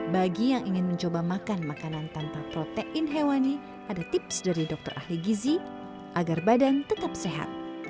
bagi yang ingin mencoba makan makanan tanpa protein hewani ada tips dari dokter ahli gizi agar badan tetap sehat